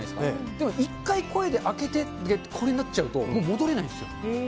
でも一回声で開けてでこれになっちゃうと、もう戻れないんですよ。